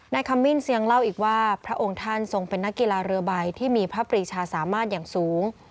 คัมมิ้นเสียงเล่าอีกว่าพระองค์ท่านทรงเป็นนักกีฬาเรือใบที่มีพระปรีชาสามารถอย่างสูง